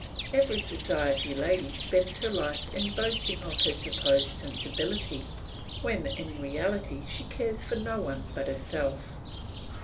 Every society lady spends her life in boasting of her supposed sensibility, when in reality she cares for no one but herself.